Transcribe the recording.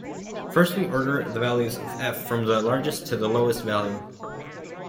First we order the values of "f" from the largest to the lowest value.